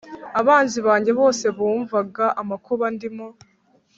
Abanzi banjye bose bumvaga amakuba ndimo,